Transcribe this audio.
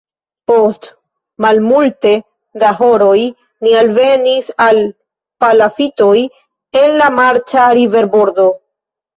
Post malmulte da horoj ni alvenis al palafitoj en la marĉa riverbordo.